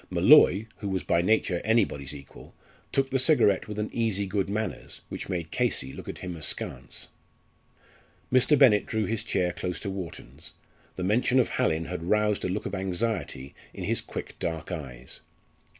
Molloy, who was by nature anybody's equal, took the cigarette with an easy good manners, which made Casey look at him askance. Mr. Bennett drew his chair close to Wharton's. The mention of Hallin had roused a look of anxiety in his quick dark eyes.